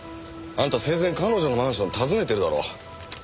あんた生前彼女のマンションを訪ねてるだろう。